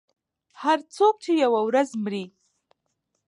• هر څوک چې یوه ورځ مري.